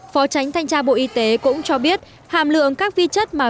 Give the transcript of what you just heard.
phó tránh thanh tra bộ y tế cũng cho biết hàm lượng các vi chất mà